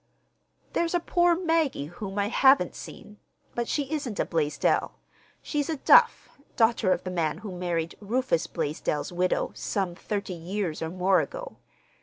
There's a "Poor Maggie" whom I haven't seen. But she isn't a Blaisdell. She's a Duff, daughter of the man who married Rufus Blaisdell's widow, some thirty years or more ago.